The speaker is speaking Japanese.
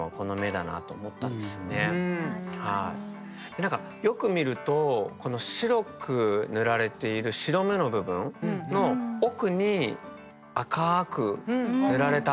何かよく見るとこの白く塗られている白目の部分の奥に赤く塗られた跡があったりしますよね。